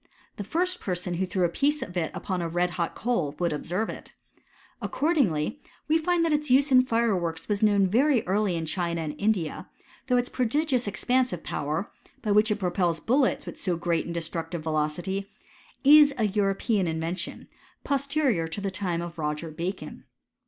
The first person who threw a piece of it upon a red hot coal would observe it. Accord* ingly we find that its use in fireworks was known very early in China and India ; though its prodigious ex pansive power, by which it propels buUets with la great and destructive velocity, is a European inyen* tion, posterior to the time of Roger Bacon.